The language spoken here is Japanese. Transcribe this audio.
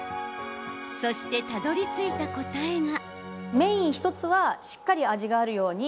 そして、たどりついた答えが。